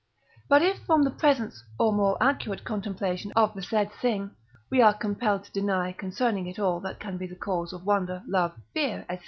But if from the presence, or more accurate contemplation of the said thing, we are compelled to deny concerning it all that can be the cause of wonder, love, fear, &c.